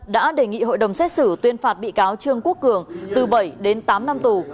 đã đề nghị hội đồng xét xử tuyên phạt bị cáo trương quốc cường từ bảy đến tám năm tù